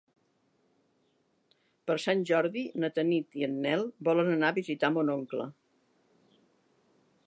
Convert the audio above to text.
Per Sant Jordi na Tanit i en Nel volen anar a visitar mon oncle.